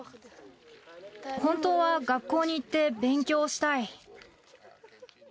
本当は学校に行って勉強をしたい。